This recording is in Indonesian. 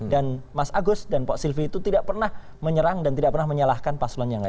dan mas agus dan pak silvi itu tidak pernah menyerang dan tidak pernah menyalahkan paslon yang lain